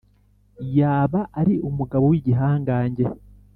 yaba ari umugabo w’igihangange